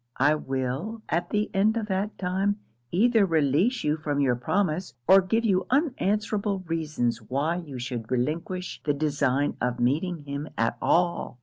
I will, at the end of that time, either release you from your promise, or give you unanswerable reasons why you should relinquish the design of meeting him at all.'